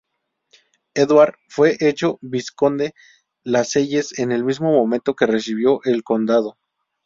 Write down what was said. Edward fue hecho Vizconde Lascelles en el mismo momento que recibió el condado.